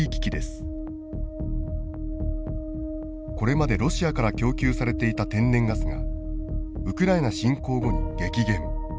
これまでロシアから供給されていた天然ガスがウクライナ侵攻後に激減。